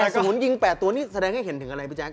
๘ศูนย์ยิง๘ตัวนี่แสดงให้เห็นถึงอะไรปีแจ๊ค